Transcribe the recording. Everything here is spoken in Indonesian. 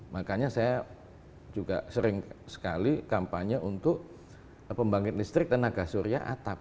makanya saya juga sering sekali kampanye untuk pembangkit listrik tenaga surya atap